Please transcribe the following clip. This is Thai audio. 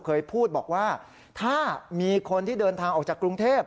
เคยพูดบอกว่าถ้ามีคนที่เดินทางออกจากกรุงเทพ